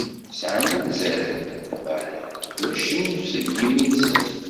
Sɛan anzaren, lameɛna ulac nnefs deg yimi-nsen.